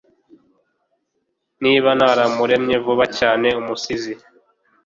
Niba naramuramye vuba cyane umusizi